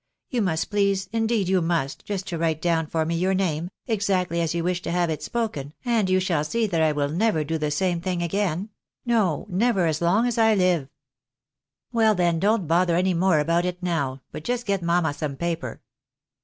You must please, indeed you must, just to write down for me your name, exactly as you wish to have it spoken, and you shall see that I will never do the same thing again — ^no, never as long as I live." " Well, then, don't bother any more about it now, but just get mamma some paper."